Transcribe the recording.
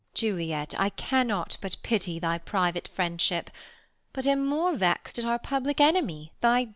Beat. Juliet, I cannot but Pity thy private friendship, but am more Vext at our public enemy, thy judge — Balt.